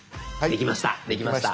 できました。